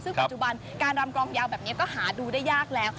ซึ่งการดำกรองยาวแบบนี้ก็หาดูได้ยากแล้ว